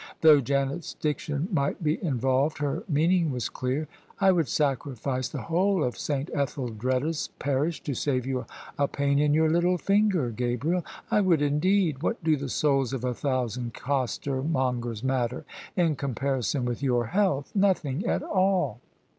Though Janet's diction might be involved, her meaning was clear. " I would sacrifice the whole of S. Etheldreda's parish to save you a pain in your little finger, Gabriel! I would indeed. What do the souls of a thousand costermongers matter in comparison with your health? Nothing at all!